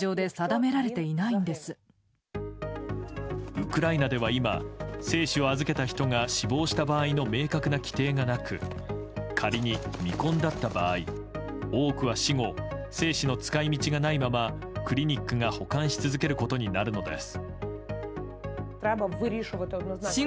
ウクライナでは今生死を預けた人が死亡した場合の明確な規定がなく仮に未婚だった場合多くは、死後精子の使い道がないままクリニックが保管し続けることになるのです。